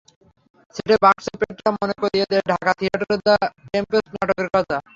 সেটে বাক্স-পেটরা মনে করিয়ে দেয় ঢাকা থিয়েটারের দ্য টেম্পেস্ট নাটকের কথা।